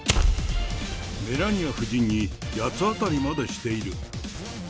メラニア夫人に八つ当たりまでしている。